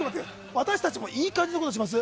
私たちもいい感じのことします？